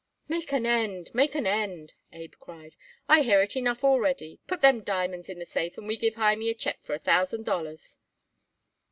"Make an end, make an end," Abe cried; "I hear it enough already. Put them diamonds in the safe and we give Hymie a check for a thousand dollars."